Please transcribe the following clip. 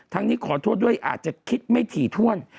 นี้ขอโทษด้วยอาจจะคิดไม่ถี่ถ้วน